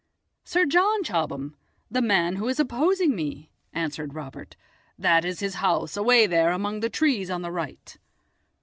"Sir John Chobham, the man who is opposing me," answered Robert; "that is his house away there among the trees on the right."